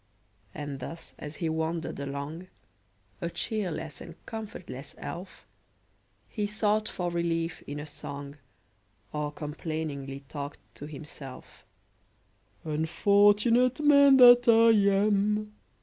And thus as he wandered along, A cheerless and comfortless elf, He sought for relief in a song, Or complainingly talked to himself:— "Unfortunate man that I am!